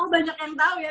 oh banyak yang tahu ya